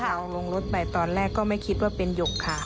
เราลงรถไปตอนแรกก็ไม่คิดว่าเป็นหยกค่ะ